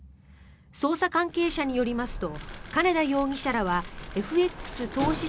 捜査関係者によりますと金田容疑者らはＦＸ投資